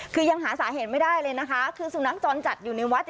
คือยังหาสาเหตุไม่ได้เลยนะคะคือสุนัขจรจัดอยู่ในวัด